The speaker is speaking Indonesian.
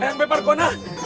eh mbak parkona